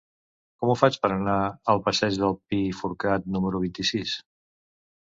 Com ho faig per anar al passeig del Pi Forcat número vint-i-sis?